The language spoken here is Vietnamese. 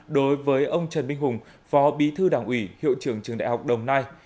đối với ông trần minh hùng phó bí thư đảng ủy hiệu trưởng trường đại học đồng nai